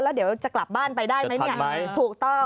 แล้วเดี๋ยวจะกลับบ้านไปได้ไหมเนี่ยถูกต้อง